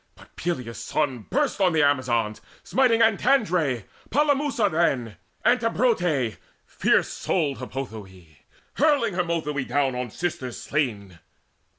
But Peleus' son burst on the Amazons Smiting Antandre, Polemusa then, Antibrote, fierce souled Hippothoe, Hurling Harmothoe down on sisters slain.